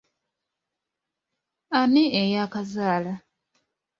Ani ey’akazaala?